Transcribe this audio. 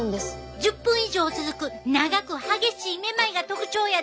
１０分以上続く長く激しいめまいが特徴やで！